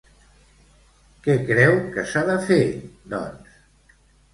Què creu que s'ha de fer, doncs?